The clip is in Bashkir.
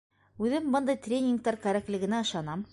Үҙем бындай тренингтар кәрәклегенә ышанам.